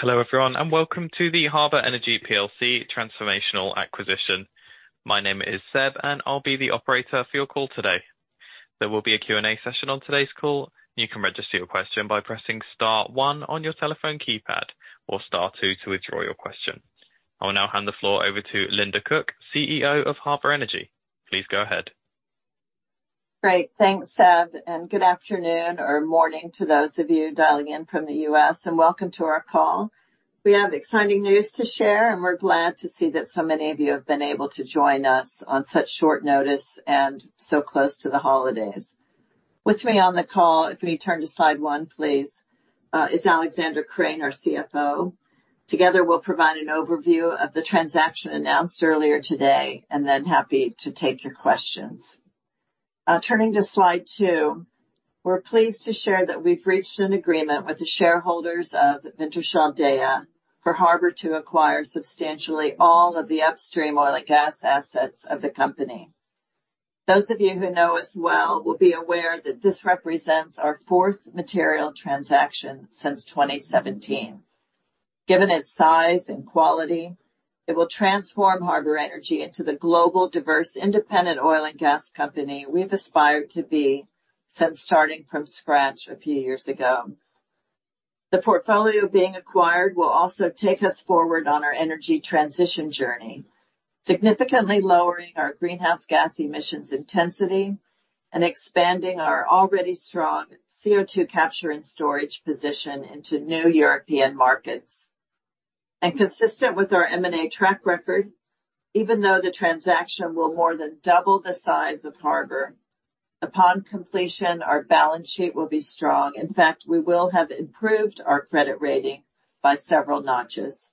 Hello everyone and welcome to the Harbour Energy PLC transformational acquisition. My name is Seb and I'll be the operator for your call today. There will be a Q&A session on today's call and you can register your question by pressing star one on your telephone keypad or star two to withdraw your question. I will now hand the floor over to Linda Cook, CEO of Harbour Energy. Please go ahead. Great, thanks Seb and good afternoon or morning to those of you dialing in from the U.S. and welcome to our call. We have exciting news to share and we're glad to see that so many of you have been able to join us on such short notice and so close to the holidays. With me on the call, if we turn to slide 1 please, is Alexander Krane, our CFO. Together we'll provide an overview of the transaction announced earlier today and then happy to take your questions. Turning to slide 2, we're pleased to share that we've reached an agreement with the shareholders of Wintershall Dea for Harbour to acquire substantially all of the upstream oil and gas assets of the company. Those of you who know us well will be aware that this represents our fourth material transaction since 2017. Given its size and quality, it will transform Harbour Energy into the global diverse independent oil and gas company we've aspired to be since starting from scratch a few years ago. The portfolio being acquired will also take us forward on our energy transition journey, significantly lowering our greenhouse gas emissions intensity and expanding our already strong CO2 capture and storage position into new European markets. Consistent with our M&A track record, even though the transaction will more than double the size of Harbour, upon completion our balance sheet will be strong. In fact, we will have improved our credit rating by several notches.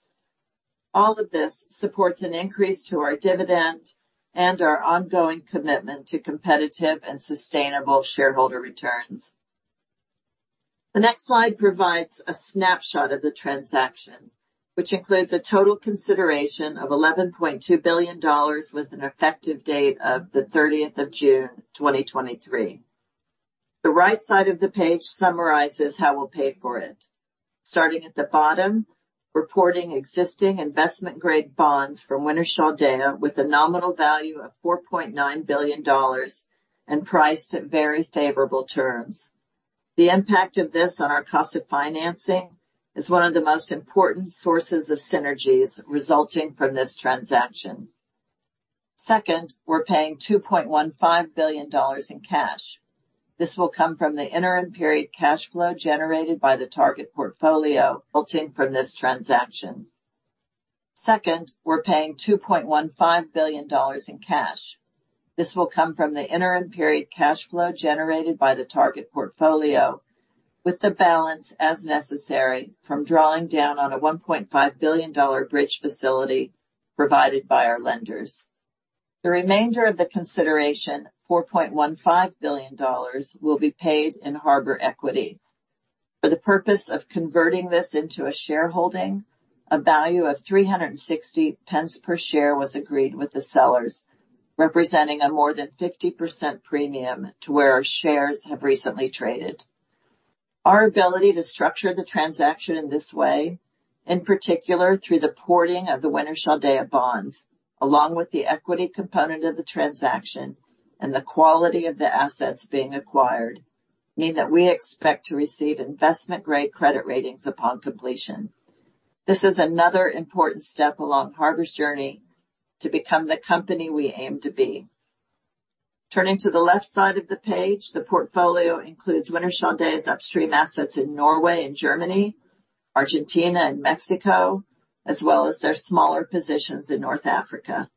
All of this supports an increase to our dividend and our ongoing commitment to competitive and sustainable shareholder returns. The next slide provides a snapshot of the transaction, which includes a total consideration of $11.2 billion with an effective date of the 30th of June, 2023. The right side of the page summarizes how we'll pay for it. Starting at the bottom, porting existing investment-grade bonds from Wintershall Dea with a nominal value of $4.9 billion and priced at very favorable terms. The impact of this on our cost of financing is one of the most important sources of synergies resulting from this transaction. Second, we're paying $2.15 billion in cash. This will come from the interim period cash flow generated by the target portfolio. Resulting from this transaction. Second, we're paying $2.15 billion in cash. This will come from the interim period cash flow generated by the target portfolio, with the balance, as necessary, from drawing down on a $1.5 billion bridge facility provided by our lenders. The remainder of the consideration, $4.15 billion, will be paid in Harbour equity. For the purpose of converting this into a shareholding, a value of 360 pence per share was agreed with the sellers, representing a more than 50% premium to where our shares have recently traded. Our ability to structure the transaction in this way, in particular through the porting of the Wintershall Dea bonds, along with the equity component of the transaction and the quality of the assets being acquired, mean that we expect to receive investment-grade credit ratings upon completion. This is another important step along Harbour's journey to become the company we aim to be. Turning to the left side of the page, the portfolio includes Wintershall Dea's upstream assets in Norway and Germany, Argentina and Mexico, as well as their smaller positions in North Africa.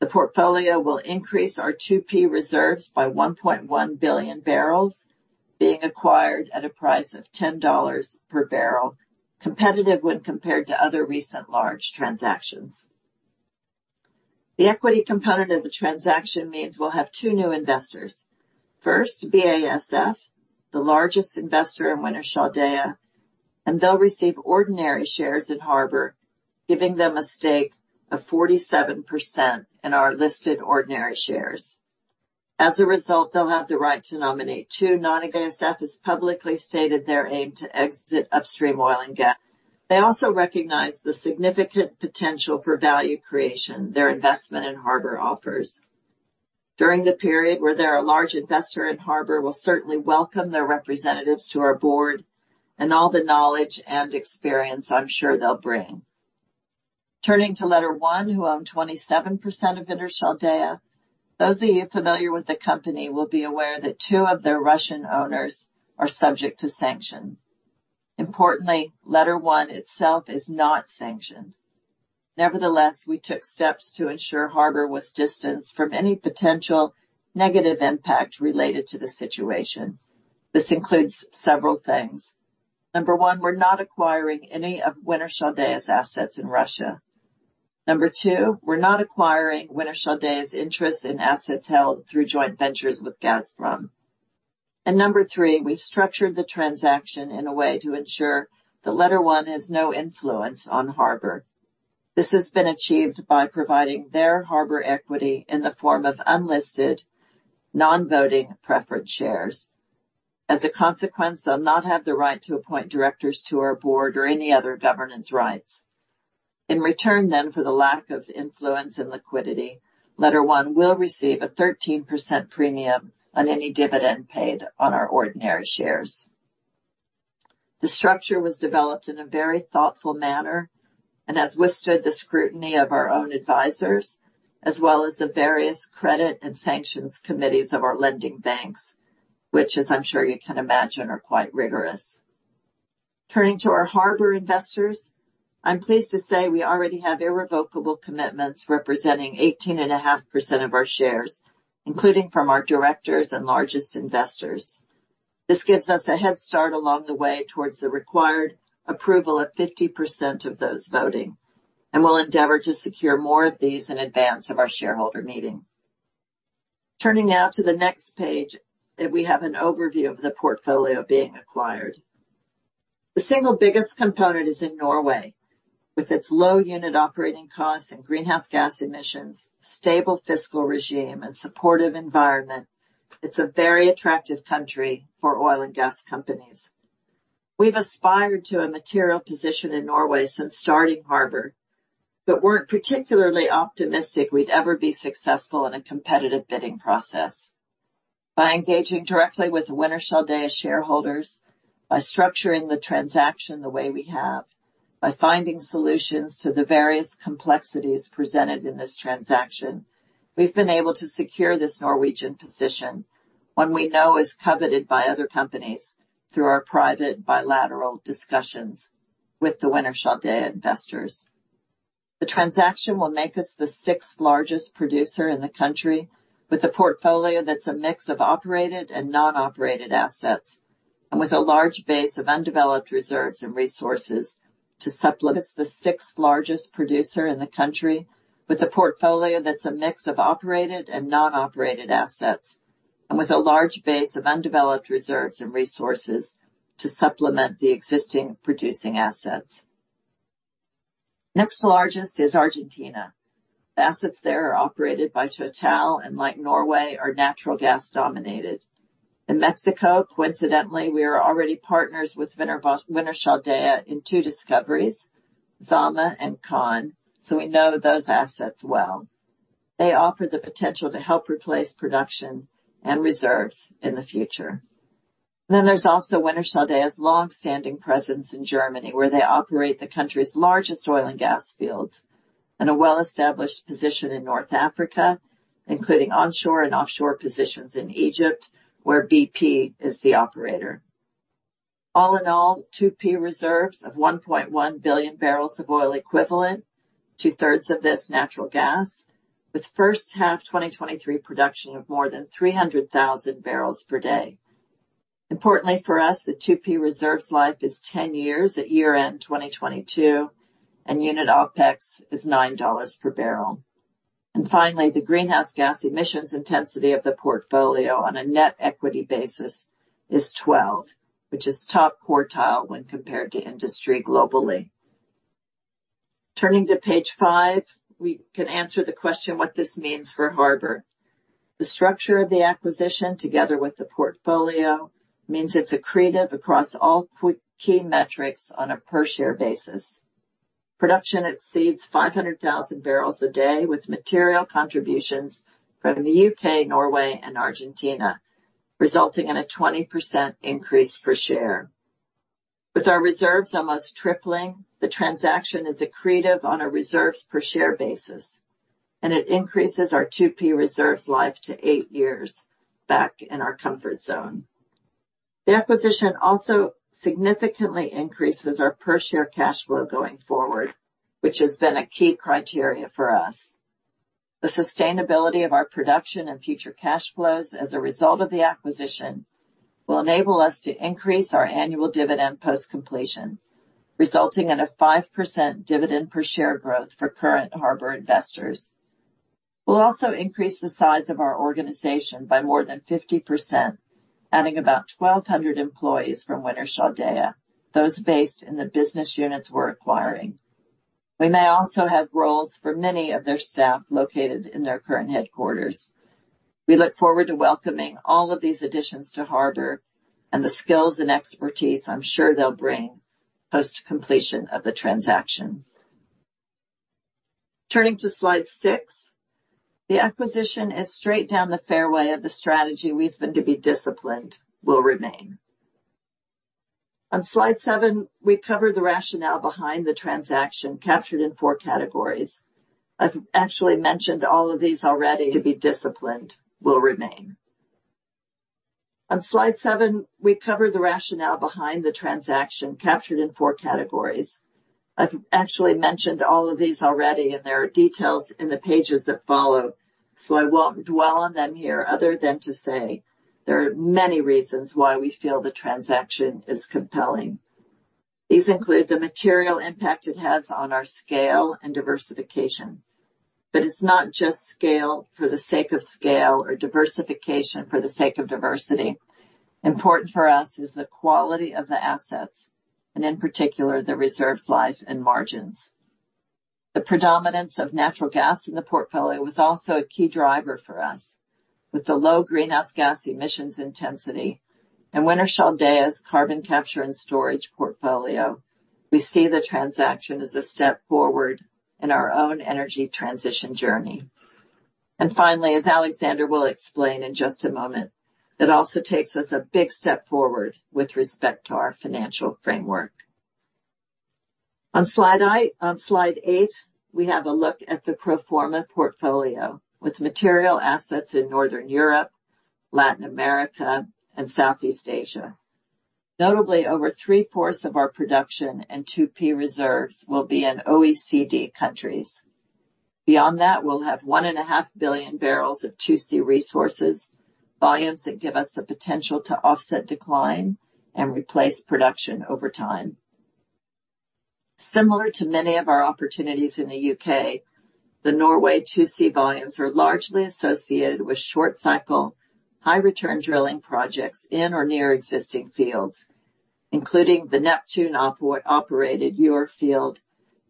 The portfolio will increase our 2P reserves by 1.1 billion barrels, being acquired at a price of $10 per barrel, competitive when compared to other recent large transactions. The equity component of the transaction means we'll have two new investors. First, BASF, the largest investor in Wintershall Dea, and they'll receive ordinary shares in Harbour, giving them a stake of 47% in our listed ordinary shares. As a result, they'll have the right to nominate two non. BASF has publicly stated their aim to exit upstream oil and gas. They also recognize the significant potential for value creation their investment in Harbour offers. During the period where they're a large investor in Harbour, we'll certainly welcome their representatives to our board and all the knowledge and experience I'm sure they'll bring. Turning to LetterOne, who own 27% of Wintershall Dea, those of you familiar with the company will be aware that two of their Russian owners are subject to sanctions. Importantly, LetterOne itself is not sanctioned. Nevertheless, we took steps to ensure Harbour was distanced from any potential negative impact related to the situation. This includes several things. Number one, we're not acquiring any of Wintershall Dea's assets in Russia. Number two, we're not acquiring Wintershall Dea's interests in assets held through joint ventures with Gazprom. And number three, we've structured the transaction in a way to ensure that LetterOne has no influence on Harbour. This has been achieved by providing their Harbour equity in the form of unlisted, non-voting preferred shares. As a consequence, they'll not have the right to appoint directors to our board or any other governance rights. In return, then, for the lack of influence and liquidity, LetterOne will receive a 13% premium on any dividend paid on our ordinary shares. The structure was developed in a very thoughtful manner and has withstood the scrutiny of our own advisors, as well as the various credit and sanctions committees of our lending banks, which, as I'm sure you can imagine, are quite rigorous. Turning to our Harbour investors, I'm pleased to say we already have irrevocable commitments representing 18.5% of our shares, including from our directors and largest investors. This gives us a head start along the way towards the required approval of 50% of those voting, and we'll endeavor to secure more of these in advance of our shareholder meeting. Turning now to the next page, we have an overview of the portfolio being acquired. The single biggest component is in Norway. With its low unit operating costs and greenhouse gas emissions, stable fiscal regime, and supportive environment, it's a very attractive country for oil and gas companies. We've aspired to a material position in Norway since starting Harbour, but weren't particularly optimistic we'd ever be successful in a competitive bidding process. By engaging directly with Wintershall Dea shareholders, by structuring the transaction the way we have, by finding solutions to the various complexities presented in this transaction, we've been able to secure this Norwegian position, one we know is coveted by other companies through our private bilateral discussions with the Wintershall Dea investors. The transaction will make us the sixth largest producer in the country with a portfolio that's a mix of operated and non-operated assets, and with a large base of undeveloped reserves and resources to supplement. As the sixth largest producer in the country with a portfolio that's a mix of operated and non-operated assets, and with a large base of undeveloped reserves and resources to supplement the existing producing assets. Next largest is Argentina. The assets there are operated by Total and, like Norway, are natural gas dominated. In Mexico, coincidentally, we are already partners with Wintershall Dea in two discoveries, Zama and Kan, so we know those assets well. They offer the potential to help replace production and reserves in the future. Then there's also Wintershall Dea's longstanding presence in Germany, where they operate the country's largest oil and gas fields, and a well-established position in North Africa, including onshore and offshore positions in Egypt, where BP is the operator. All in all, 2P reserves of 1.1 billion barrels of oil equivalent, two-thirds of this natural gas, with first-half 2023 production of more than 300,000 barrels per day. Importantly for us, the 2P reserves life is 10 years at year-end 2022, and unit OPEX is $9 per barrel. Finally, the greenhouse gas emissions intensity of the portfolio on a net equity basis is 12, which is top quartile when compared to industry globally. Turning to page 5, we can answer the question what this means for Harbour. The structure of the acquisition, together with the portfolio, means it's accretive across all key metrics on a per-share basis. Production exceeds 500,000 barrels a day with material contributions from the UK, Norway, and Argentina, resulting in a 20% increase per share. With our reserves almost tripling, the transaction is accretive on a reserves per share basis, and it increases our 2P reserves life to 8 years, back in our comfort zone. The acquisition also significantly increases our per-share cash flow going forward, which has been a key criteria for us. The sustainability of our production and future cash flows as a result of the acquisition will enable us to increase our annual dividend post-completion, resulting in a 5% dividend per share growth for current Harbour investors. We'll also increase the size of our organization by more than 50%, adding about 1,200 employees from Wintershall Dea, those based in the business units we're acquiring. We may also have roles for many of their staff located in their current headquarters. We look forward to welcoming all of these additions to Harbour and the skills and expertise I'm sure they'll bring post-completion of the transaction. Turning to slide 6, the acquisition is straight down the fairway of the strategy we've been true to. To be disciplined will remain. On slide 7, we cover the rationale behind the transaction captured in four categories. I've actually mentioned all of these already, and there are details in the pages that follow, so I won't dwell on them here other than to say there are many reasons why we feel the transaction is compelling. These include the material impact it has on our scale and diversification. But it's not just scale for the sake of scale or diversification for the sake of diversity. Important for us is the quality of the assets, and in particular, the reserves life and margins. The predominance of natural gas in the portfolio was also a key driver for us. With the low greenhouse gas emissions intensity and Wintershall Dea's carbon capture and storage portfolio, we see the transaction as a step forward in our own energy transition journey. And finally, as Alexander will explain in just a moment, it also takes us a big step forward with respect to our financial framework. On slide 8, we have a look at the pro forma portfolio, with material assets in Northern Europe, Latin America, and Southeast Asia. Notably, over three-fourths of our production and 2P reserves will be in OECD countries. Beyond that, we'll have 1.5 billion barrels of 2C resources, volumes that give us the potential to offset decline and replace production over time. Similar to many of our opportunities in the U.K., the Norway 2C volumes are largely associated with short-cycle, high-return drilling projects in or near existing fields, including the Neptune operated Gjøa field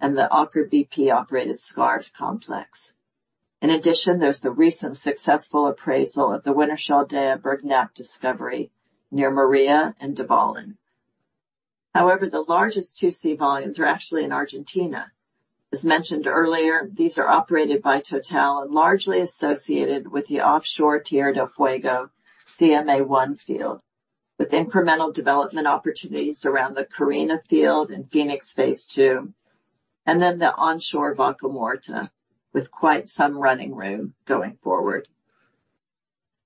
and the Aker BP operated Skarv complex. In addition, there's the recent successful appraisal of the Wintershall Dea Bergknapp discovery near Maria and Dvalin. However, the largest 2C volumes are actually in Argentina. As mentioned earlier, these are operated by Total and largely associated with the offshore Tierra del Fuego CMA-1 field, with incremental development opportunities around the Carina field in Fenix Phase 2, and then the onshore Vaca Muerta, with quite some running room going forward.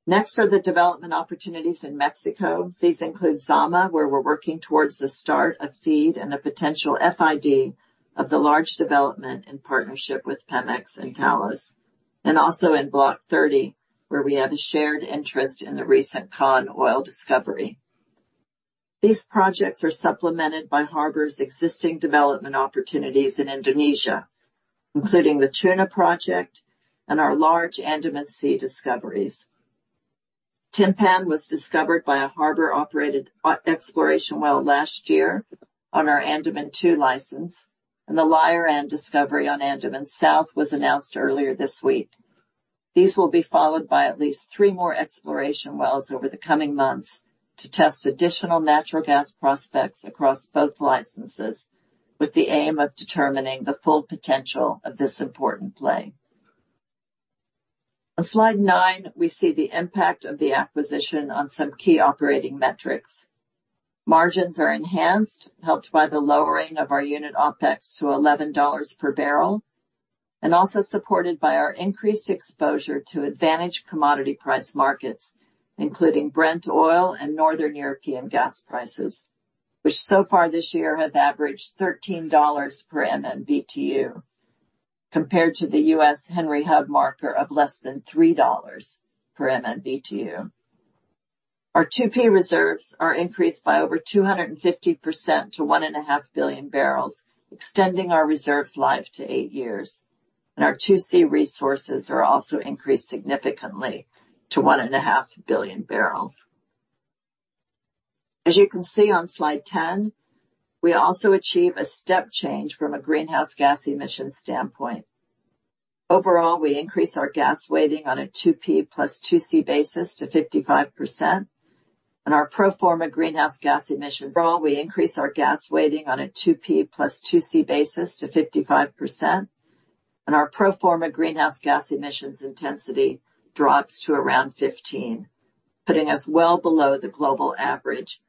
Next are the development opportunities in Mexico. These include Zama, where we're working towards the start of FEED and a potential FID of the large development in partnership with Pemex and Talos, and also in Block 30, where we have a shared interest in the recent Kan oil discovery. These projects are supplemented by Harbour's existing development opportunities in Indonesia, including the Tuna project and our large Andaman Sea discoveries. Timpan was discovered by a Harbour-operated exploration well last year on our Andaman II license, and the Layaran discovery on Andaman South was announced earlier this week. These will be followed by at least three more exploration wells over the coming months to test additional natural gas prospects across both licenses, with the aim of determining the full potential of this important play. On slide 9, we see the impact of the acquisition on some key operating metrics. Margins are enhanced, helped by the lowering of our unit OPEX to $11 per barrel, and also supported by our increased exposure to advantaged commodity price markets, including Brent oil and Northern European gas prices, which so far this year have averaged $13 per MMBtu, compared to the U.S. Henry Hub marker of less than $3 per MMBtu. Our 2P reserves are increased by over 250% to 1.5 billion barrels, extending our reserves life to eight years, and our 2C resources are also increased significantly to 1.5 billion barrels. As you can see on slide 10, we also achieve a step change from a greenhouse gas emissions standpoint. Overall, we increase our gas weighting on a 2P plus 2C basis to 55%, and our pro forma greenhouse gas emissions. Overall, we increase our gas weighting on a 2P plus 2C basis to 55%, and our pro forma greenhouse gas emissions intensity drops to around 15, putting us well below the global average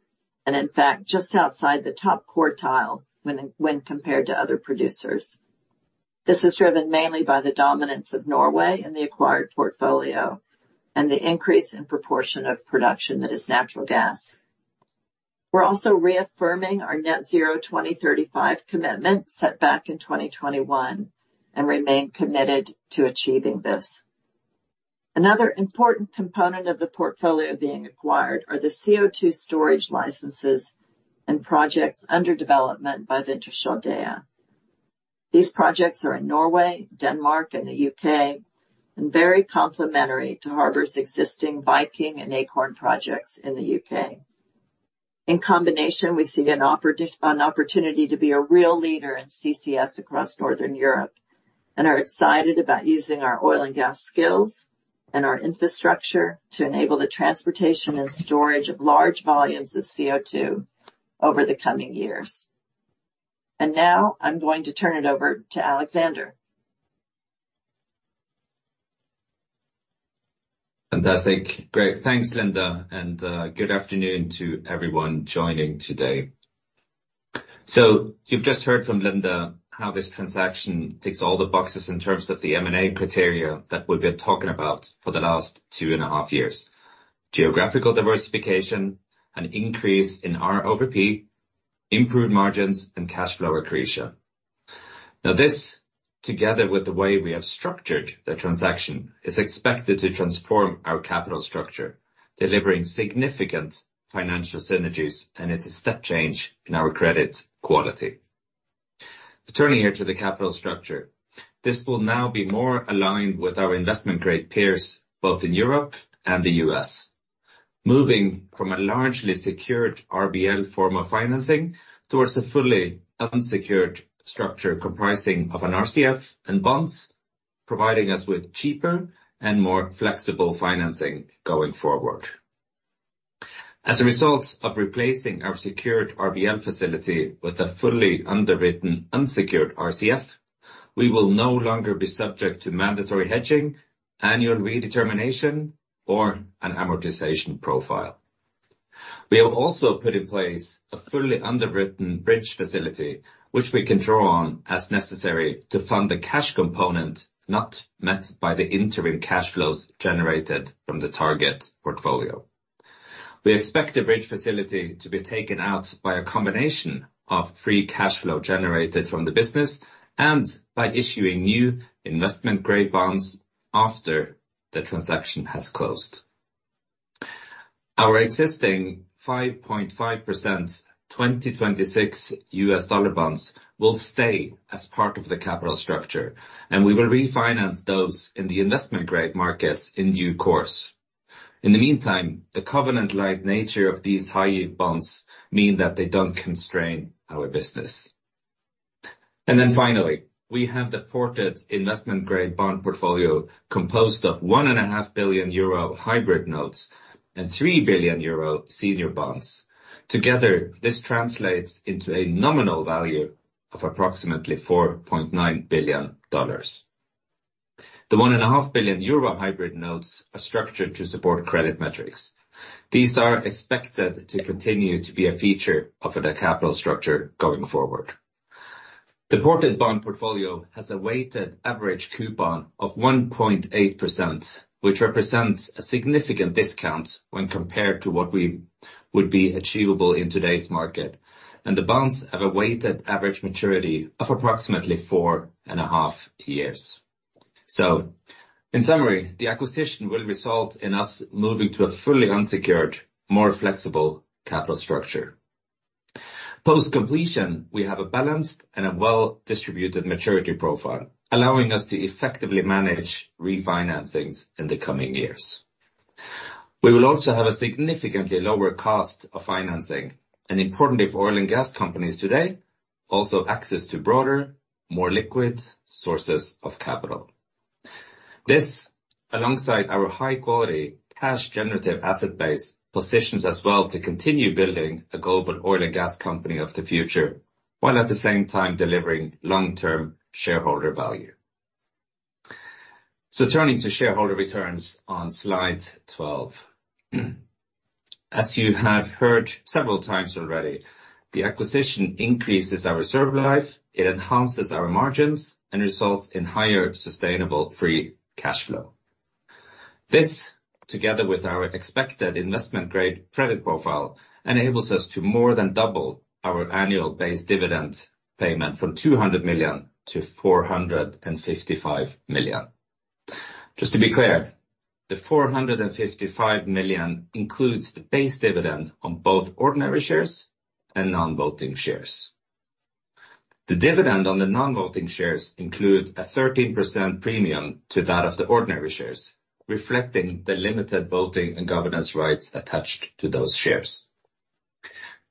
and, in fact, just outside the top quartile when compared to other producers. This is driven mainly by the dominance of Norway in the acquired portfolio and the increase in proportion of production that is natural gas. We're also reaffirming our net-zero 2035 commitment set back in 2021 and remain committed to achieving this. Another important component of the portfolio being acquired are the CO2 storage licenses and projects under development by Wintershall Dea. These projects are in Norway, Denmark, and the UK, and very complementary to Harbour's existing Viking and Acorn projects in the UK. In combination, we see an opportunity to be a real leader in CCS across Northern Europe and are excited about using our oil and gas skills and our infrastructure to enable the transportation and storage of large volumes of CO2 over the coming years. Now I'm going to turn it over to Alexander. Fantastic. Great. Thanks, Linda, and good afternoon to everyone joining today. You've just heard from Linda how this transaction ticks all the boxes in terms of the M&A criteria that we've been talking about for the last 2.5 years: geographical diversification, an increase in our R/P, improved margins, and cash flow accretion. Now this, together with the way we have structured the transaction, is expected to transform our capital structure, delivering significant financial synergies, and it's a step change in our credit quality. Turning here to the capital structure, this will now be more aligned with our investment-grade peers, both in Europe and the U.S., moving from a largely secured RBL form of financing towards a fully unsecured structure comprising of an RCF and bonds, providing us with cheaper and more flexible financing going forward. As a result of replacing our secured RBL facility with a fully underwritten unsecured RCF, we will no longer be subject to mandatory hedging, annual redetermination, or an amortization profile. We have also put in place a fully underwritten bridge facility, which we can draw on as necessary to fund the cash component not met by the interim cash flows generated from the target portfolio. We expect the bridge facility to be taken out by a combination of free cash flow generated from the business and by issuing new investment-grade bonds after the transaction has closed. Our existing 5.5% 2026 US dollar bonds will stay as part of the capital structure, and we will refinance those in the investment-grade markets in due course. In the meantime, the covenant-like nature of these high-yield bonds means that they don't constrain our business. And then finally, we have the ported investment-grade bond portfolio composed of 1.5 billion euro hybrid notes and 3 billion euro senior bonds. Together, this translates into a nominal value of approximately $4.9 billion. The EUR 1.5 billion hybrid notes are structured to support credit metrics. These are expected to continue to be a feature of the capital structure going forward. The ported bond portfolio has a weighted average coupon of 1.8%, which represents a significant discount when compared to what would be achievable in today's market, and the bonds have a weighted average maturity of approximately 4.5 years. So in summary, the acquisition will result in us moving to a fully unsecured, more flexible capital structure. Post-completion, we have a balanced and a well-distributed maturity profile, allowing us to effectively manage refinancings in the coming years. We will also have a significantly lower cost of financing and, importantly for oil and gas companies today, also access to broader, more liquid sources of capital. This, alongside our high-quality cash-generative asset base, positions us well to continue building a global oil and gas company of the future while at the same time delivering long-term shareholder value. So turning to shareholder returns on slide 12. As you have heard several times already, the acquisition increases our reserve life, it enhances our margins, and results in higher sustainable free cash flow. This, together with our expected investment-grade credit profile, enables us to more than double our annual base dividend payment from 200 million to 455 million. Just to be clear, the 455 million includes the base dividend on both ordinary shares and non-voting shares. The dividend on the non-voting shares includes a 13% premium to that of the ordinary shares, reflecting the limited voting and governance rights attached to those shares.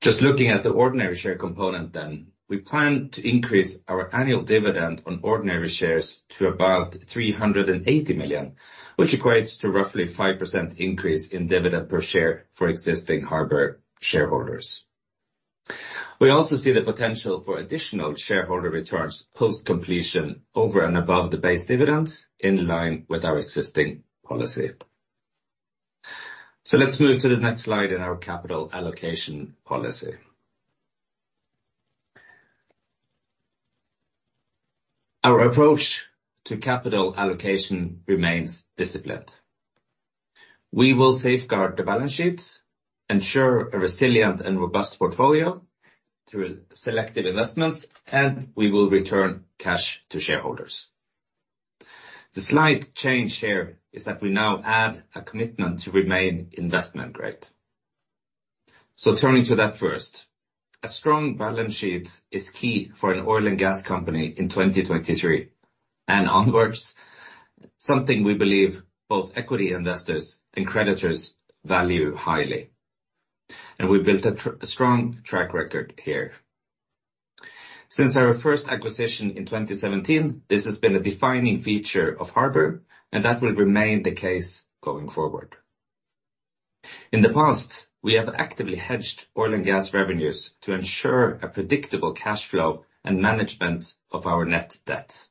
Just looking at the ordinary share component, then, we plan to increase our annual dividend on ordinary shares to about 380 million, which equates to roughly a 5% increase in dividend per share for existing Harbour shareholders. We also see the potential for additional shareholder returns post-completion over and above the base dividend, in line with our existing policy. Let's move to the next slide in our capital allocation policy. Our approach to capital allocation remains disciplined. We will safeguard the balance sheet, ensure a resilient and robust portfolio through selective investments, and we will return cash to shareholders. The slight change here is that we now add a commitment to remain investment-grade. So turning to that first, a strong balance sheet is key for an oil and gas company in 2023 and onwards, something we believe both equity investors and creditors value highly. We built a strong track record here. Since our first acquisition in 2017, this has been a defining feature of Harbour, and that will remain the case going forward. In the past, we have actively hedged oil and gas revenues to ensure a predictable cash flow and management of our net debt.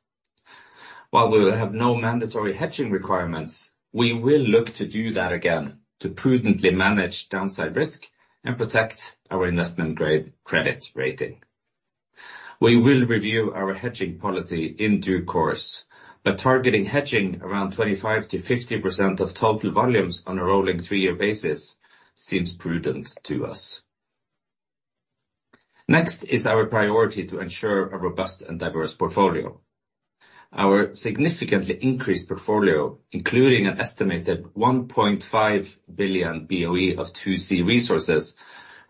While we will have no mandatory hedging requirements, we will look to do that again to prudently manage downside risk and protect our investment-grade credit rating. We will review our hedging policy in due course, but targeting hedging around 25%-50% of total volumes on a rolling three-year basis seems prudent to us. Next is our priority to ensure a robust and diverse portfolio. Our significantly increased portfolio, including an estimated 1.5 billion BOE of 2C resources,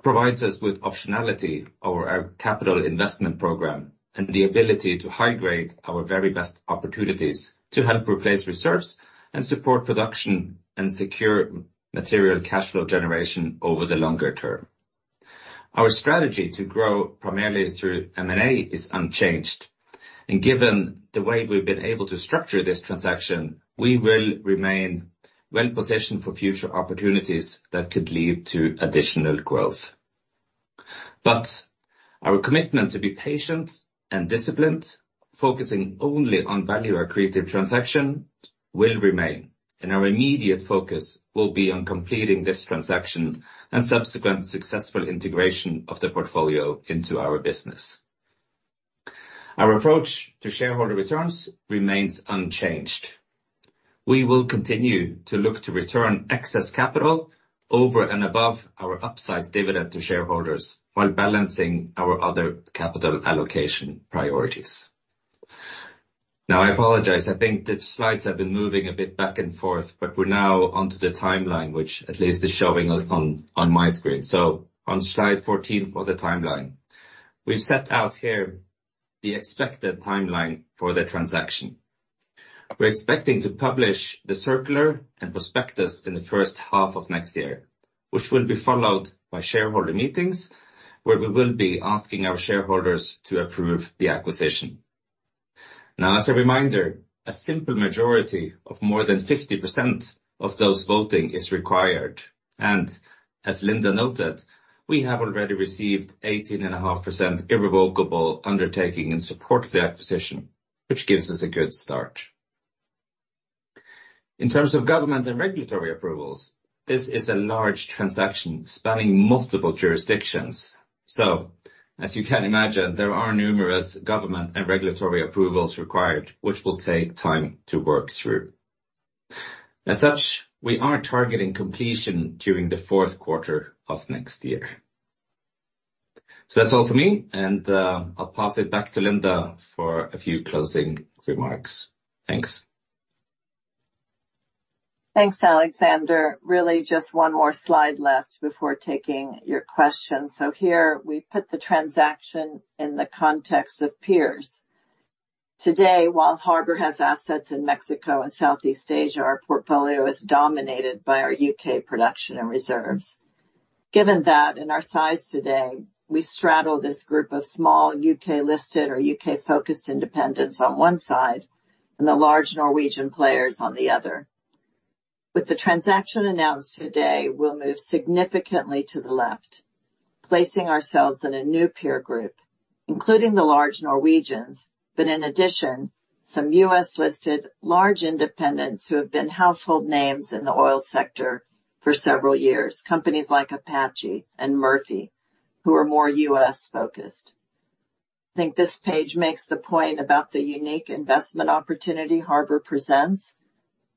provides us with optionality over our capital investment program and the ability to high-grade our very best opportunities to help replace reserves and support production and secure material cash flow generation over the longer term. Our strategy to grow primarily through M&A is unchanged, and given the way we've been able to structure this transaction, we will remain well-positioned for future opportunities that could lead to additional growth. But our commitment to be patient and disciplined, focusing only on value or creative transaction, will remain, and our immediate focus will be on completing this transaction and subsequent successful integration of the portfolio into our business. Our approach to shareholder returns remains unchanged. We will continue to look to return excess capital over and above our upsized dividend to shareholders while balancing our other capital allocation priorities. Now, I apologize. I think the slides have been moving a bit back and forth, but we're now onto the timeline, which at least is showing on my screen. So on slide 14 for the timeline, we've set out here the expected timeline for the transaction. We're expecting to publish the circular and prospectus in the first half of next year, which will be followed by shareholder meetings where we will be asking our shareholders to approve the acquisition. Now, as a reminder, a simple majority of more than 50% of those voting is required. As Linda noted, we have already received 18.5% irrevocable undertaking in support of the acquisition, which gives us a good start. In terms of government and regulatory approvals, this is a large transaction spanning multiple jurisdictions. As you can imagine, there are numerous government and regulatory approvals required, which will take time to work through. As such, we are targeting completion during the fourth quarter of next year. That's all for me, and I'll pass it back to Linda for a few closing remarks. Thanks. Thanks, Alexander. Really, just one more slide left before taking your questions. Here we put the transaction in the context of peers. Today, while Harbour has assets in Mexico and Southeast Asia, our portfolio is dominated by our U.K. production and reserves. Given that, in our size today, we straddle this group of small U.K.-listed or U.K.-focused independents on one side and the large Norwegian players on the other. With the transaction announced today, we'll move significantly to the left, placing ourselves in a new peer group, including the large Norwegians, but in addition, some U.S.-listed large independents who have been household names in the oil sector for several years, companies like Apache and Murphy, who are more U.S.-focused. I think this page makes the point about the unique investment opportunity Harbour presents: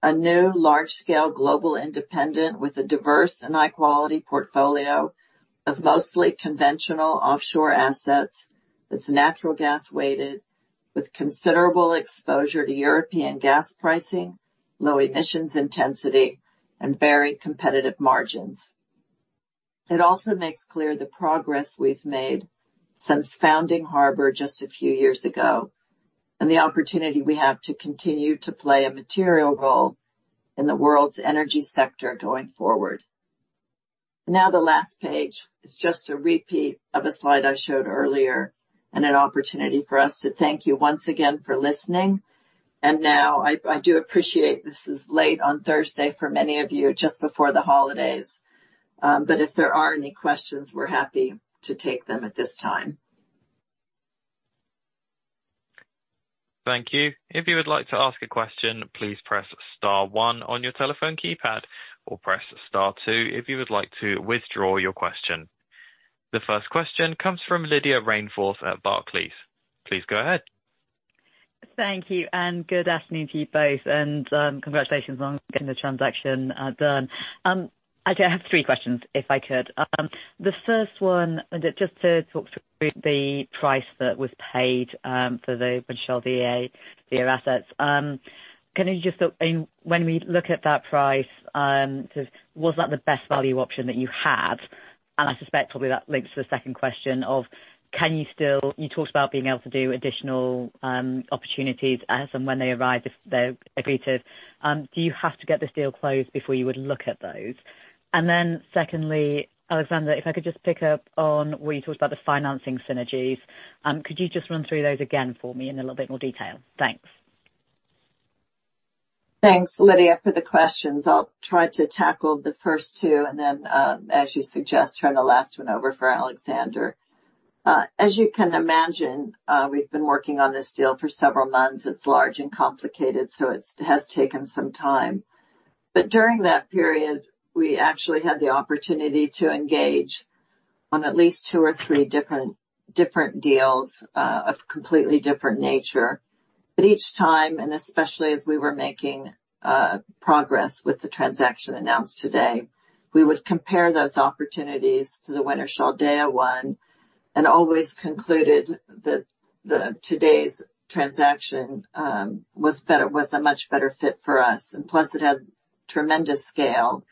a new large-scale global independent with a diverse and high-quality portfolio of mostly conventional offshore assets that's natural gas-weighted, with considerable exposure to European gas pricing, low emissions intensity, and very competitive margins. It also makes clear the progress we've made since founding Harbour just a few years ago and the opportunity we have to continue to play a material role in the world's energy sector going forward. Now, the last page is just a repeat of a slide I showed earlier and an opportunity for us to thank you once again for listening. And now, I do appreciate this is late on Thursday for many of you, just before the holidays. But if there are any questions, we're happy to take them at this time. Thank you. If you would like to ask a question, please press star one on your telephone keypad or press star two if you would like to withdraw your question. The first question comes from Lydia Rainforth at Barclays. Please go ahead. Thank you, and good afternoon to you both, and congratulations on getting the transaction done. Actually, I have three questions, if I could. The first one, just to talk through the price that was paid for the Wintershall Dea assets. Can you just look, when we look at that price, was that the best value option that you had? And I suspect probably that links to the second question of, can you still you talked about being able to do additional opportunities as and when they arrive, if they're agreed to. Do you have to get this deal closed before you would look at those? And then secondly, Alexander, if I could just pick up on what you talked about, the financing synergies. Could you just run through those again for me in a little bit more detail? Thanks. Thanks, Lydia, for the questions. I'll try to tackle the first two, and then as you suggest, turn the last one over for Alexander. As you can imagine, we've been working on this deal for several months. It's large and complicated, so it has taken some time. But during that period, we actually had the opportunity to engage on at least two or three different deals of completely different nature. But each time, and especially as we were making progress with the transaction announced today, we would compare those opportunities to the Wintershall Dea one and always concluded that today's transaction was a much better fit for us. And plus, it had tremendous scale.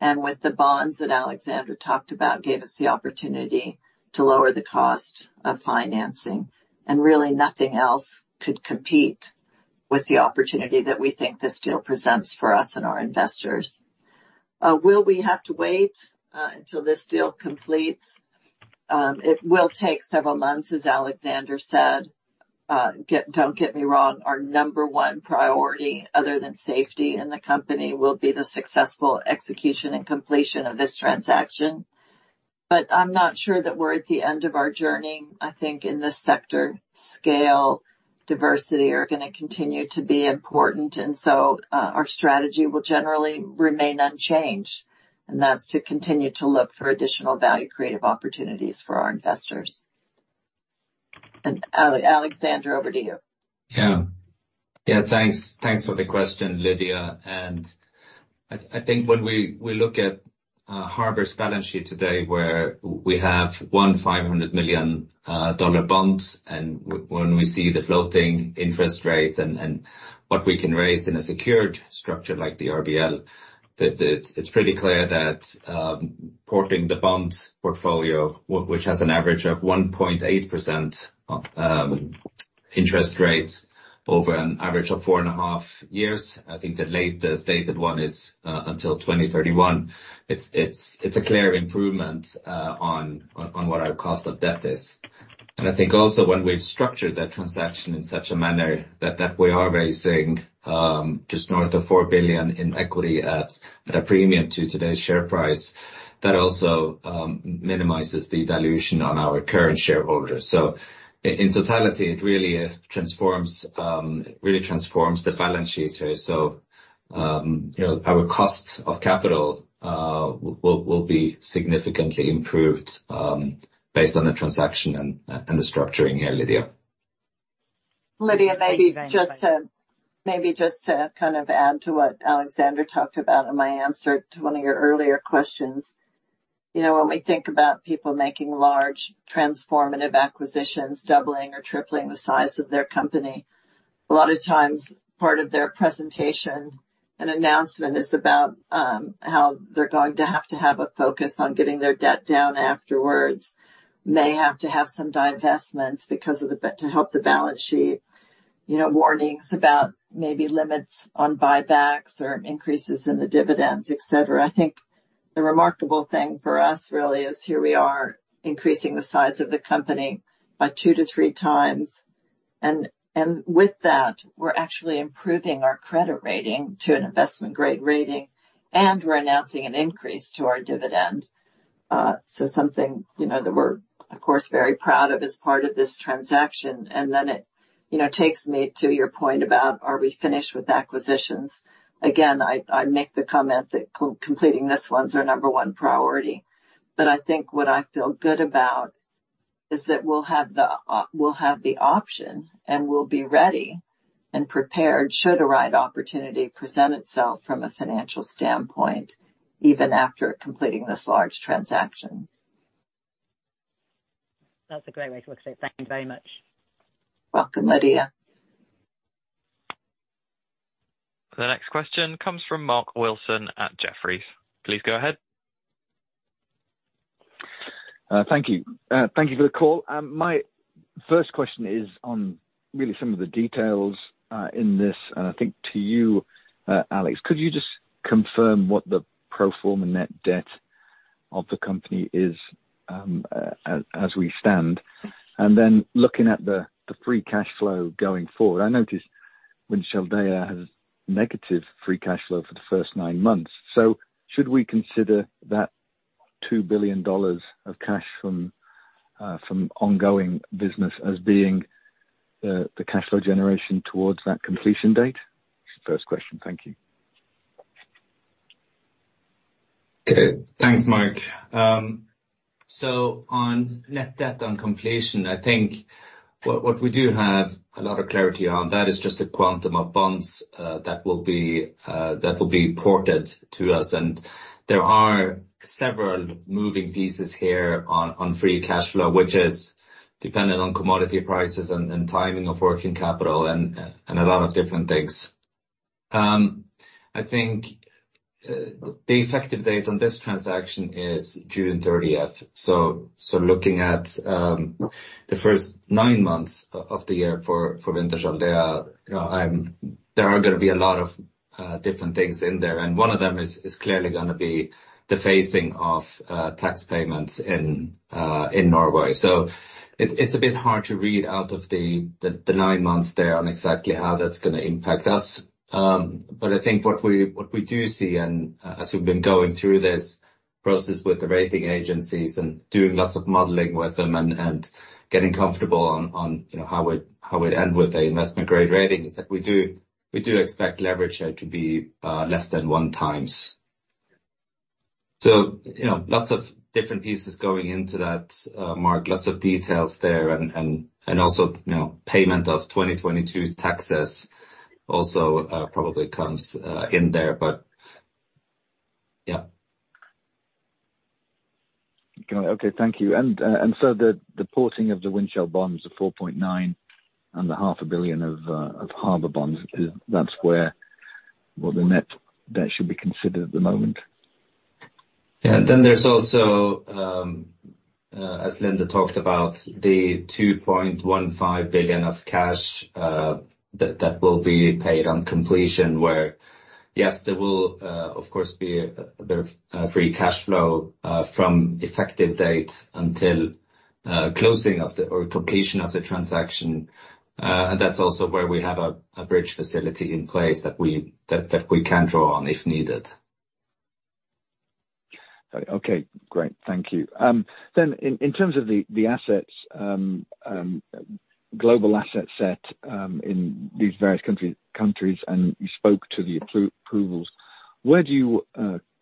And with the bonds that Alexander talked about, gave us the opportunity to lower the cost of financing. And really, nothing else could compete with the opportunity that we think this deal presents for us and our investors. Will we have to wait until this deal completes? It will take several months, as Alexander said. Don't get me wrong. Our number one priority, other than safety in the company, will be the successful execution and completion of this transaction. I'm not sure that we're at the end of our journey. I think in this sector, scale, diversity are going to continue to be important. Our strategy will generally remain unchanged, and that's to continue to look for additional value-creative opportunities for our investors. Alexander, over to you. Yeah. Yeah, thanks. Thanks for the question, Lydia. I think when we look at Harbour's balance sheet today, where we have one $500 million bond, and when we see the floating interest rates and what we can raise in a secured structure like the RBL, it's pretty clear that porting the bonds portfolio, which has an average of 1.8% interest rates over an average of four and a half years I think the latest dated one is until 2031. It's a clear improvement on what our cost of debt is. I think also, when we've structured that transaction in such a manner that we are raising just north of $4 billion in equity at a premium to today's share price, that also minimizes the dilution on our current shareholders. In totality, it really transforms the balance sheet here. Our cost of capital will be significantly improved based on the transaction and the structuring here, Lydia. Lydia, maybe just to kind of add to what Alexander talked about in my answer to one of your earlier questions. When we think about people making large transformative acquisitions, doubling or tripling the size of their company, a lot of times, part of their presentation and announcement is about how they're going to have to have a focus on getting their debt down afterwards, may have to have some divestments to help the balance sheet, warnings about maybe limits on buybacks or increases in the dividends, etc. I think the remarkable thing for us, really, is here we are, increasing the size of the company by 2-3 times. And with that, we're actually improving our credit rating to an Investment Grade rating, and we're announcing an increase to our dividend. So something that we're, of course, very proud of as part of this transaction. And then it takes me to your point about, are we finished with acquisitions? Again, I make the comment that completing this one's our number one priority. But I think what I feel good about is that we'll have the option, and we'll be ready and prepared should a right opportunity present itself from a financial standpoint, even after completing this large transaction. That's a great way to look at it. Thank you very much. Welcome, Lydia. The next question comes from Mark Wilson at Jefferies. Please go ahead. Thank you. Thank you for the call. My first question is on really some of the details in this. And I think to you, Alex, could you just confirm what the pro forma net debt of the company is as we stand, and then looking at the free cash flow going forward? I noticed Wintershall Dea has negative free cash flow for the first nine months. So should we consider that $2 billion of cash from ongoing business as being the cash flow generation towards that completion date? First question. Thank you. Okay. Thanks, Mark. So on net debt on completion, I think what we do have a lot of clarity on, that is just a quantum of bonds that will be ported to us. And there are several moving pieces here on free cash flow, which is dependent on commodity prices and timing of working capital and a lot of different things. I think the effective date on this transaction is June 30th. So looking at the first nine months of the year for Wintershall Dea, there are going to be a lot of different things in there. And one of them is clearly going to be the phasing of tax payments in Norway. So it's a bit hard to read out of the nine months there on exactly how that's going to impact us. But I think what we do see, and as we've been going through this process with the rating agencies and doing lots of modeling with them and getting comfortable on how we'd end with an investment-grade rating, is that we do expect leverage here to be less than 1x. So lots of different pieces going into that, Mark, lots of details there. And also, payment of 2022 taxes also probably comes in there, but yeah. Okay. Thank you. And so the porting of the Wintershall bonds, the $4.9 billion and the $0.5 billion of Harbour bonds, that's what the net debt should be considered at the moment? Yeah. Then there's also, as Linda talked about, the $2.15 billion of cash that will be paid on completion, where, yes, there will, of course, be a bit of free cash flow from effective date until closing or completion of the transaction. And that's also where we have a bridge facility in place that we can draw on if needed. Okay. Great. Thank you. Then in terms of the assets, global asset set in these various countries, and you spoke to the approvals, where do you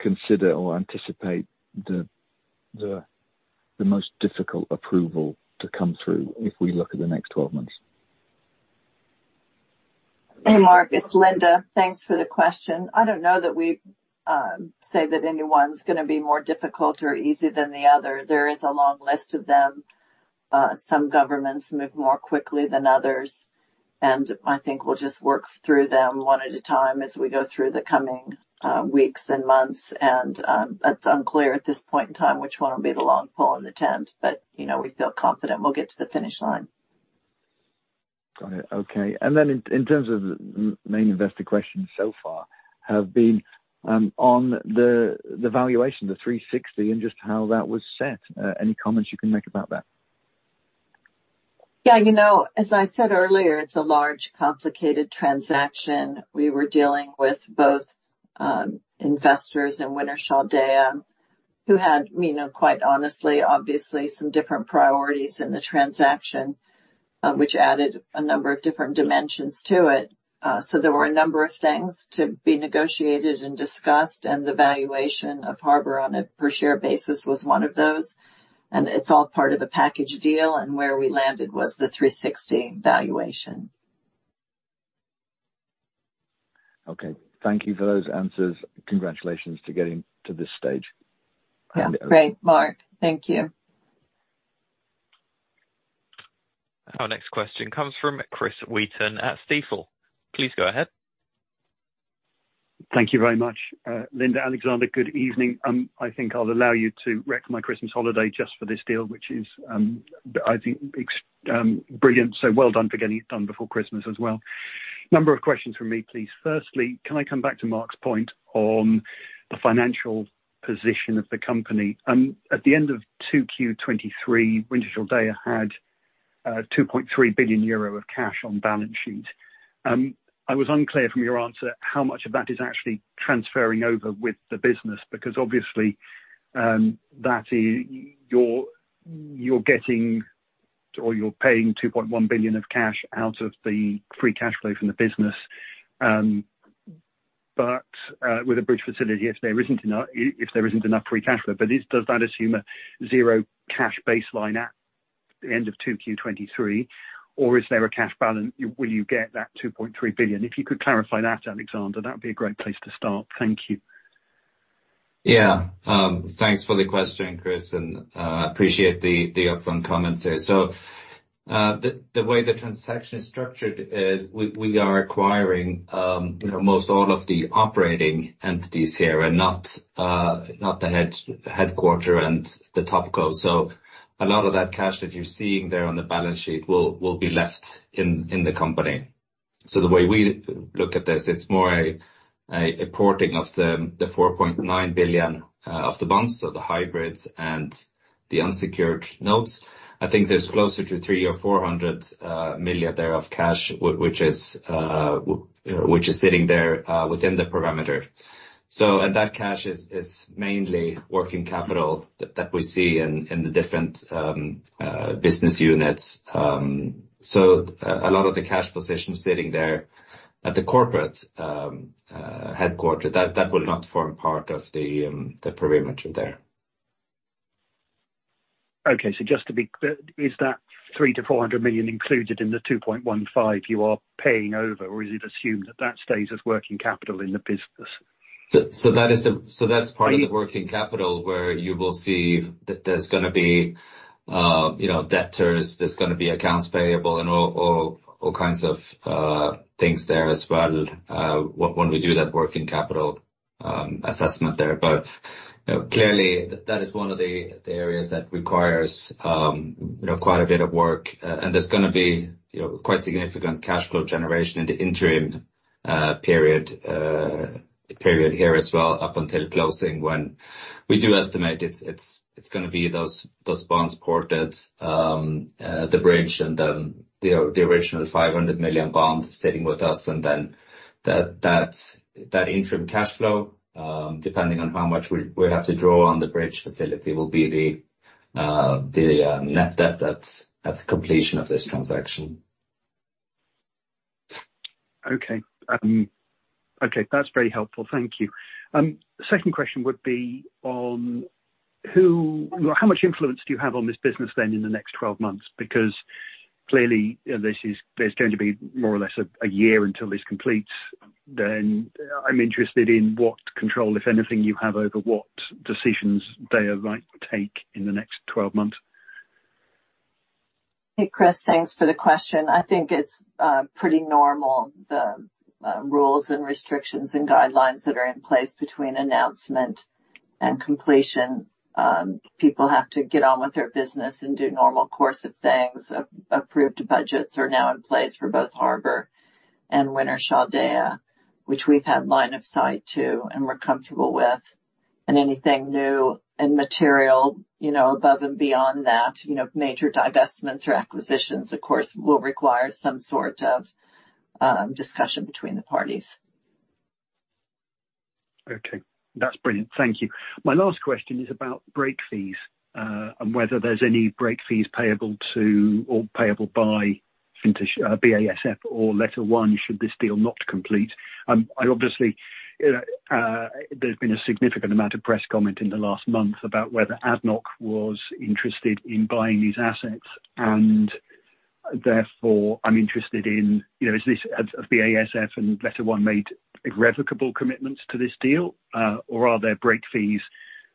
consider or anticipate the most difficult approval to come through if we look at the next 12 months? Hey, Mark. It's Linda. Thanks for the question. I don't know that we say that any one's going to be more difficult or easy than the other. There is a long list of them. Some governments move more quickly than others. I think we'll just work through them one at a time as we go through the coming weeks and months. It's unclear at this point in time which one will be the long pole in the tent. But we feel confident we'll get to the finish line. Got it. Okay. Then in terms of the main investor questions so far, have been on the valuation, the 360, and just how that was set. Any comments you can make about that? Yeah. As I said earlier, it's a large, complicated transaction. We were dealing with both investors and Wintershall Dea who had, quite honestly, obviously, some different priorities in the transaction, which added a number of different dimensions to it. So there were a number of things to be negotiated and discussed. And the valuation of Harbour on a per-share basis was one of those. And it's all part of a package deal. And where we landed was the 360 valuation. Okay. Thank you for those answers. Congratulations to getting to this stage. Yeah. Great, Mark. Thank you. Our next question comes from Chris Wheaton at Stifel. Please go ahead. Thank you very much, Linda. Alexander, good evening. I think I'll allow you to wreck my Christmas holiday just for this deal, which is, I think, brilliant. So well done for getting it done before Christmas as well. Number of questions from me, please. Firstly, can I come back to Mark's point on the financial position of the company? At the end of 2Q23, Wintershall Dea had 2.3 billion euro of cash on balance sheet. I was unclear from your answer how much of that is actually transferring over with the business because, obviously, you're getting or you're paying 2.1 billion of cash out of the free cash flow from the business. But with a bridge facility, if there isn't enough free cash flow. But does that assume a zero cash baseline at the end of 2Q23, or if there are cash balance, will you get that 2.3 billion? If you could clarify that, Alexander, that would be a great place to start. Thank you. Yeah. Thanks for the question, Chris. I appreciate the upfront comments here. So the way the transaction is structured is we are acquiring most all of the operating entities here and not the headquarters and the topco. So a lot of that cash that you're seeing there on the balance sheet will be left in the company. So the way we look at this, it's more a portion of the 4.9 billion of the bonds, so the hybrids and the unsecured notes. I think there's closer to 300 or 400 million there of cash, which is sitting there within the perimeter. And that cash is mainly working capital that we see in the different business units. So a lot of the cash position sitting there at the corporate headquarters, that will not form part of the perimeter there. Okay. So just to be, is that $300 million-$400 million included in the $2.15 billion you are paying over, or is it assumed that that stays as working capital in the business? So that's part of the working capital where you will see that there's going to be debtors, there's going to be accounts payable, and all kinds of things there as well when we do that working capital assessment there. But clearly, that is one of the areas that requires quite a bit of work. And there's going to be quite significant cash flow generation in the interim period here as well up until closing when we do estimate it's going to be those bonds ported, the bridge, and then the original $500 million bond sitting with us. And then that interim cash flow, depending on how much we have to draw on the bridge facility, will be the net debt at the completion of this transaction. Okay. Okay. That's very helpful. Thank you. Second question would be on how much influence do you have on this business then in the next 12 months? Because clearly, there's going to be more or less a year until this completes. Then I'm interested in what control, if anything, you have over what decisions DEA might take in the next 12 months. Hey, Chris, thanks for the question. I think it's pretty normal, the rules and restrictions and guidelines that are in place between announcement and completion. People have to get on with their business and do normal course of things. Approved budgets are now in place for both Harbour and Wintershall Dea, which we've had line of sight to and we're comfortable with. And anything new and material above and beyond that, major divestments or acquisitions, of course, will require some sort of discussion between the parties. Okay. That's brilliant. Thank you. My last question is about break fees and whether there's any break fees payable to or payable by BASF or LetterOne should this deal not complete. Obviously, there's been a significant amount of press comment in the last month about whether ADNOC was interested in buying these assets. And therefore, I'm interested in, has BASF and LetterOne made irrevocable commitments to this deal, or are there break fees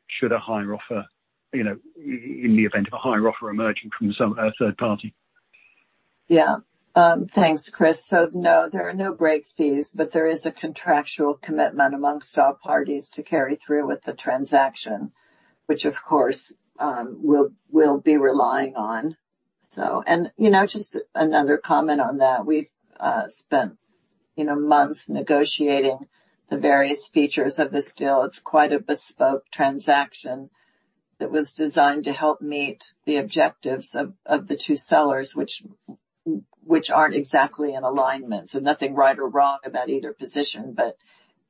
should a higher offer in the event of a higher offer emerging from a third party? Yeah. Thanks, Chris. So no, there are no break fees, but there is a contractual commitment among all parties to carry through with the transaction, which, of course, we'll be relying on. And just another comment on that, we've spent months negotiating the various features of this deal. It's quite a bespoke transaction that was designed to help meet the objectives of the two sellers, which aren't exactly in alignment. So nothing right or wrong about either position, but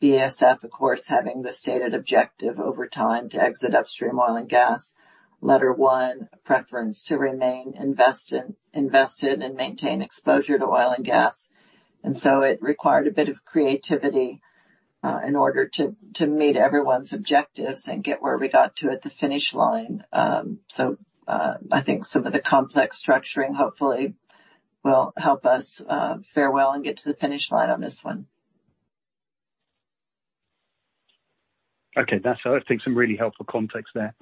BASF, of course, having the stated objective over time to exit upstream oil and gas, LetterOne, a preference to remain invested and maintain exposure to oil and gas. And so it required a bit of creativity in order to meet everyone's objectives and get where we got to at the finish line. So I think some of the complex structuring, hopefully, will help us fare well and get to the finish line on this one. Okay. So I think some really helpful context there.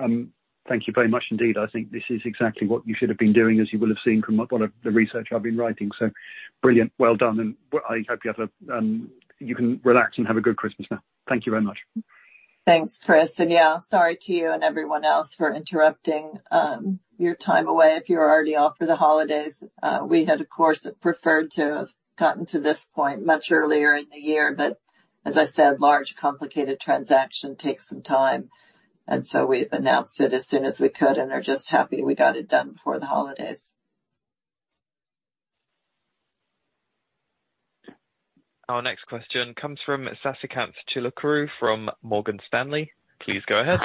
Thank you very much indeed. I think this is exactly what you should have been doing, as you will have seen from a lot of the research I've been writing. So brilliant. Well done. And I hope you can relax and have a good Christmas now. Thank you very much. Thanks, Chris. And yeah, sorry to you and everyone else for interrupting your time away if you were already off for the holidays. We had, of course, preferred to have gotten to this point much earlier in the year. But as I said, large, complicated transaction takes some time. We've announced it as soon as we could and are just happy we got it done before the holidays. Our next question comes from Sasikanth Chilukuru from Morgan Stanley. Please go ahead.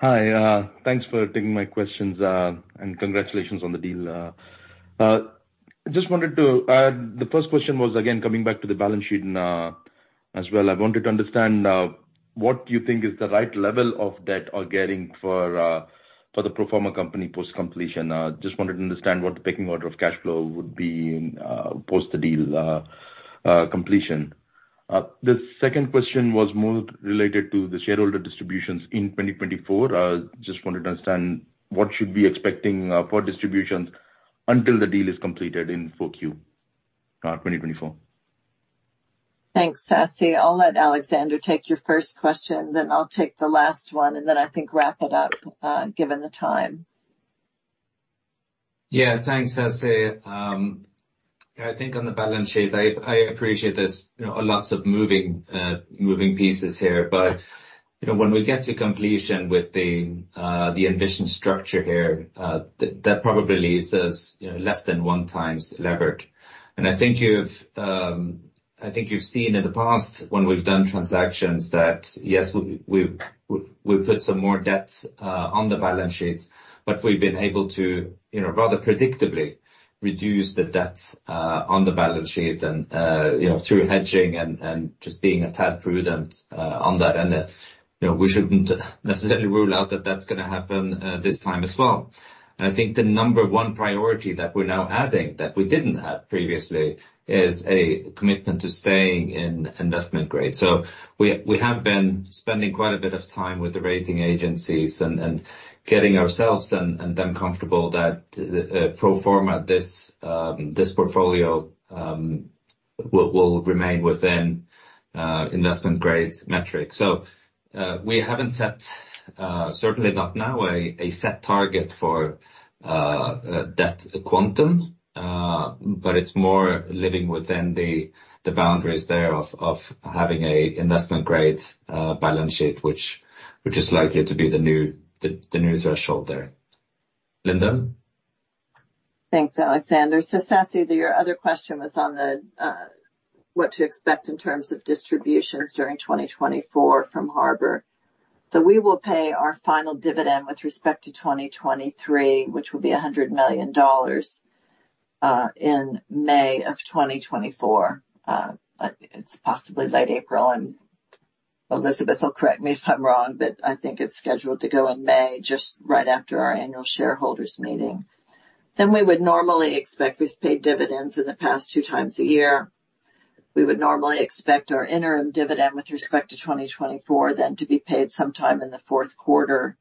Hi. Thanks for taking my questions. Congratulations on the deal. Just wanted to ask the first question was, again, coming back to the balance sheet as well. I wanted to understand what you think is the right level of debt or gearing for the pro forma company post-completion. Just wanted to understand what the pecking order of cash flow would be post-deal completion. The second question was more related to the shareholder distributions in 2024. Just wanted to understand what should we expect for distributions until the deal is completed in 4Q 2024. Thanks, Sasi. I'll let Alexander take your first question, then I'll take the last one, and then I think wrap it up given the time. Yeah. Thanks, Sasi. I think on the balance sheet, I appreciate there's lots of moving pieces here. But when we get to completion with the acquisition structure here, that probably leaves us less than 1x levered. And I think you've seen in the past when we've done transactions that, yes, we've put some more debt on the balance sheet, but we've been able to rather predictably reduce the debt on the balance sheet through hedging and just being a tad prudent on that end. We shouldn't necessarily rule out that that's going to happen this time as well. And I think the number one priority that we're now adding that we didn't have previously is a commitment to staying in investment grade. So we have been spending quite a bit of time with the rating agencies and getting ourselves and them comfortable that pro forma this portfolio will remain within investment grade metrics. So we haven't set, certainly not now, a set target for debt quantum. But it's more living within the boundaries there of having an investment grade balance sheet, which is likely to be the new threshold there. Linda? Thanks, Alexander. So Sasi, your other question was on what to expect in terms of distributions during 2024 from Harbour. So we will pay our final dividend with respect to 2023, which will be $100 million in May of 2024. It's possibly late April. Elizabeth, he'll correct me if I'm wrong, but I think it's scheduled to go in May just right after our annual shareholders' meeting. Then we would normally expect we've paid dividends in the past two times a year. We would normally expect our interim dividend with respect to 2024 then to be paid sometime in the fourth quarter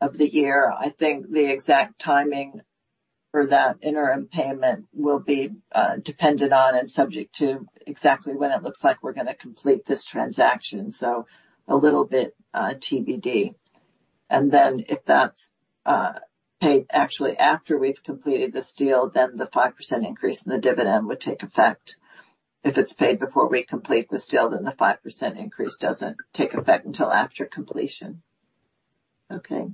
of the year. I think the exact timing for that interim payment will be dependent on and subject to exactly when it looks like we're going to complete this transaction. So a little bit TBD. And then if that's paid actually after we've completed this deal, then the 5% increase in the dividend would take effect. If it's paid before we complete this deal, then the 5% increase doesn't take effect until after completion. Okay.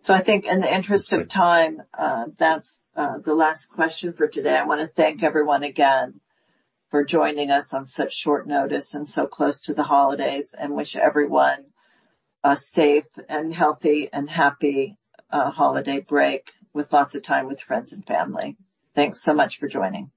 So I think in the interest of time, that's the last question for today. I want to thank everyone again for joining us on such short notice and so close to the holidays and wish everyone a safe and healthy and happy holiday break with lots of time with friends and family. Thanks so much for joining.